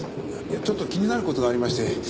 ちょっと気になる事がありまして。